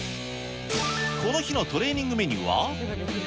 この日のトレーニングメニューは？